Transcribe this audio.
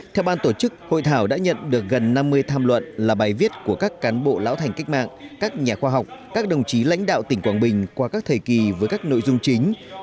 theo ban tổ chức hội thảo đã nhận được gần năm mươi tham luận là bài viết của các cán bộ lão thành cách mạng các nhà khoa học các đồng chí lãnh đạo tỉnh quảng bình qua các thời kỳ với các nội dung chính